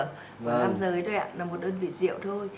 nam giới thôi ạ là một đơn vị rượu thôi